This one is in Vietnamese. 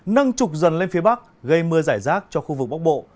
nâng trục dần lên phía bắc gây mưa giải rác cho khu vực bắc bộ